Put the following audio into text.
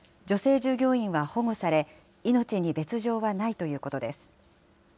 女性従業員は保護され、命に別状はないということです。